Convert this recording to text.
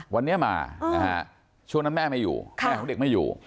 วันนี้มานะฮะช่วงนั้นแม่ไม่อยู่แม่ของเด็กไม่อยู่